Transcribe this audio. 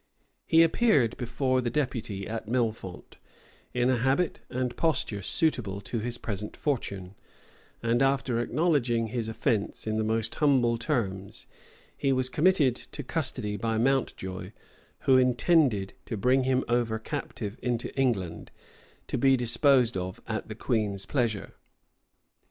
He appeared before the deputy at Millefont, in a habit and posture suitable to his present fortune; and after acknowledging his offence in the most humble terms, he was committed to custody by Mountjoy, who intended to bring him over captive into England, to be disposed of at the queen's pleasure.